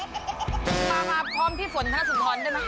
เอ่อมาพร้อมพี่ฝนธนสุนธรได้ไหม